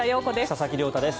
佐々木亮太です。